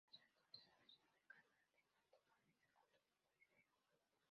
Pasó entonces a la ciudad de Carmen de Patagones con su velero.